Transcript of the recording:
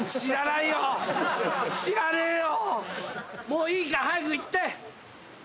もういいから早く行って。